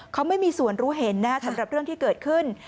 เขาไม่มีส่วนรู้เห็นนะครับสำหรับเรื่องที่เกิดขึ้น